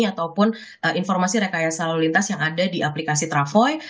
ataupun informasi rekayasa lalu lintas yang ada di aplikasi travoi